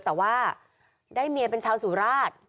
แต่ว่าได้เมียเป็นชาวสุราช